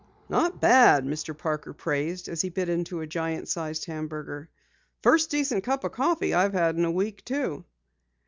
"Not bad," Mr. Parker praised as he bit into a giant size hamburger. "First decent cup of coffee I've had in a week too."